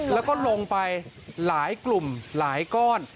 แล้วก็ลงไปหลายกลุ่มหลายก้อน